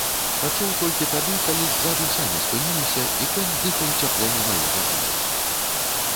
Пачуў толькі тады, калі ззаду сані спыніліся, і конь дыхаў цяплом у маю патыліцу.